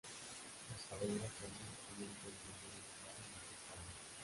Los caballeros franceses tuvieron que defender el lugar en el que estaban.